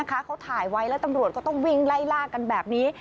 เขาถ่ายไว้แล้วตำรวจก็ต้องวิ่งไล่ล่ากันแบบนี้